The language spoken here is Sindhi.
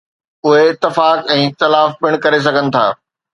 اهي اتفاق ۽ اختلاف پڻ ڪري سگهن ٿا.